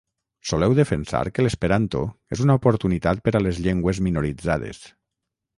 Soleu defensar que l’esperanto és una oportunitat per a les llengües minoritzades.